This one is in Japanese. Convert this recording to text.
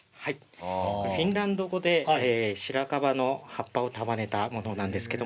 フィンランド語でシラカバの葉っぱを束ねたものです。